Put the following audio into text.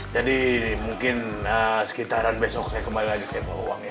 jadi mungkin sekitaran besok saya kembali lagi saya bawa uang ya